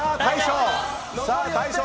大将！